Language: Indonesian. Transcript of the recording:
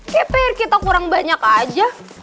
kayak pr kita kurang banyak aja